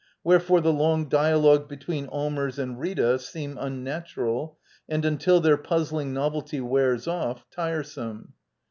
Where fore, the long dialogues between Allmers and Rita seem unnatural, and until their puzzling novelty wears off, tiresome.